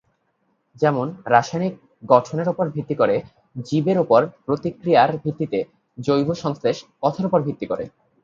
যেমন- রাসায়নিক গঠনের উপর ভিত্তি করে, জীবের উপর প্রতিক্রিয়ার ভিত্তিতে, জৈব-সংশ্লেষ পথের উপর ভিত্তি করে।